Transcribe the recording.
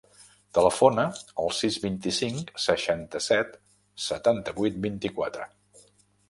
Telefona al sis, vint-i-cinc, seixanta-set, setanta-vuit, vint-i-quatre.